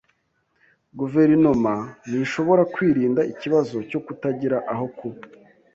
Guverinoma ntishobora kwirinda ikibazo cyo kutagira aho kuba.